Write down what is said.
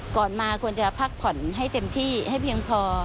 ก่อนมาควรจะพักผ่อนให้เต็มที่ให้เพียงพอ